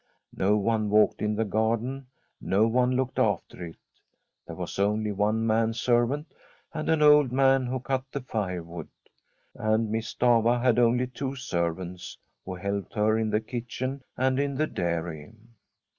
No one walked in the garden, no one looked after it. There was only one man servant, and an old man who cut the fire wood. And Miss Stafva had only two servants, who helped her in the kitchen and in the dairy.